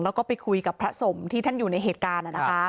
แล้วก็ไปคุยกับพระสงฆ์ที่ท่านอยู่ในเหตุการณ์